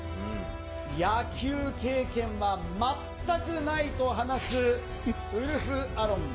野球経験は全くないと話すウルフ・アロン。